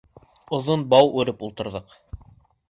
Оҙон бау үреп ултырҙыҡ.